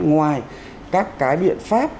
ngoài các cái biện pháp